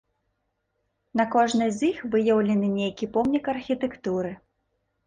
На кожнай з іх выяўлены нейкі помнік архітэктуры.